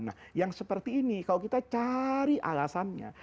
nah yang seperti ini kalau kita cari alasannya